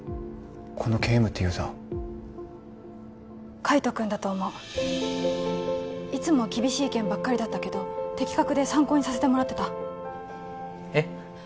このＫ．Ｍっていうユーザー海斗君だと思ういつも厳しい意見ばっかりだったけど的確で参考にさせてもらってたえっ？